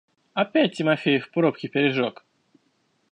Опять Тимофеев пробки пережег!